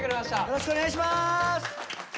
よろしくお願いします！